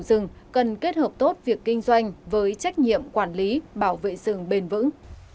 các doanh nghiệp được giao làm chủ rừng cần kết hợp tốt việc kinh doanh với trách nhiệm quản lý bảo vệ rừng bền vững